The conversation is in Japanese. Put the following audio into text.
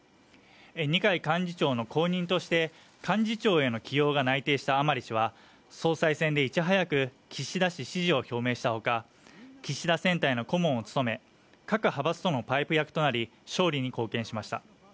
二階幹事長の後任として幹事長への内定が決まり甘利氏は総裁選でいち早く岸田氏支持を表明したほか、岸田選対の顧問を務め各派閥とのパイプ役となり、勝利に貢献しました。